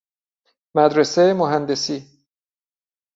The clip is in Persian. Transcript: مدرسه مهندسی